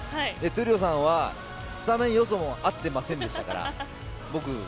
闘莉王さんはスタメン予想も合ってませんでしたから。